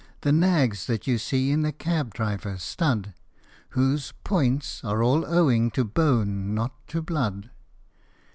The nags that you see in a cab driver's stud, Whose " points " are all owing to bone, not to blood.